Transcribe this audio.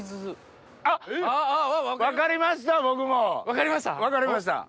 分かりました？